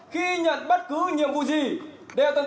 khi nhận bất cứ nhiệm vụ gì đều tận tâm tận lực